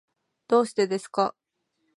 どうしてですか。